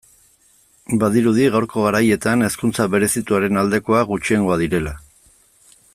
Badirudi gaurko garaietan hezkuntza berezituaren aldekoak gutxiengoa direla.